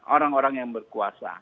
orang orang yang berkuasa